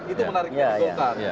itu menariknya golkar